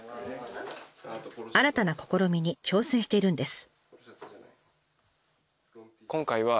新たな試みに挑戦しているんです。